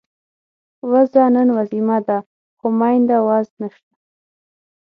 وزه نن وزيمه ده، خو مينده وز نشته